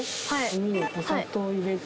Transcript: お砂糖入れて。